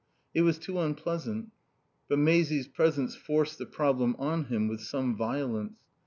It was too unpleasant. But Maisie's presence forced the problem on him with some violence.